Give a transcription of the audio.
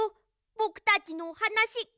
ぼくたちのおはなし。